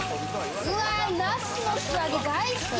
ナスの素揚げ大好き！